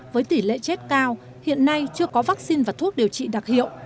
với tỷ lệ chết cao hiện nay chưa có vaccine và thuốc điều trị đặc hiệu